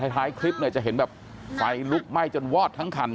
ท้ายคลิปเนี่ยจะเห็นแบบไฟลุกไหม้จนวอดทั้งคัน